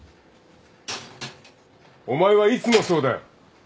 お前はいつもそうだよ。